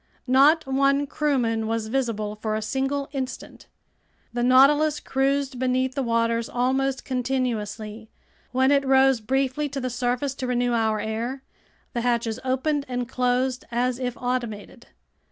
Not one crewman was visible for a single instant. The Nautilus cruised beneath the waters almost continuously. When it rose briefly to the surface to renew our air, the hatches opened and closed as if automated.